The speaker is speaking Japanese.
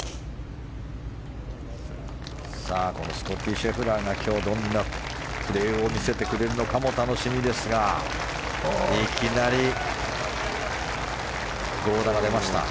シェフラーが今日どんなプレーを見せてくれるのかも楽しみですがいきなり豪打が出ました。